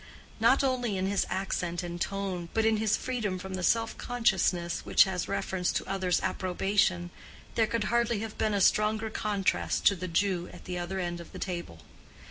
Not only in his accent and tone, but in his freedom from the self consciousness which has reference to others' approbation, there could hardly have been a stronger contrast to the Jew at the other end of the table.